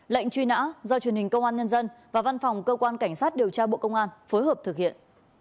lệnh truy nã do truyền hình công an nhân dân và văn phòng cơ quan cảnh sát điều tra bộ công an phối hợp thực hiện